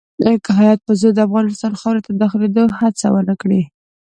که هیات په زور د افغانستان خاورې ته داخلېدلو هڅه ونه کړي.